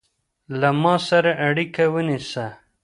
له ما سره اړیکه ونیسه